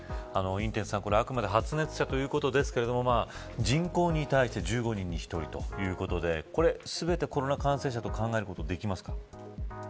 寅てつさん発熱者ということですが人口に対して１５人に１人ということで全てコロナ感染者と考えることができますか。